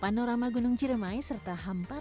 panorama gunung ciremai serta hamparan